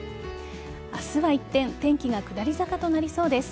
明日は一転天気が下り坂となりそうです。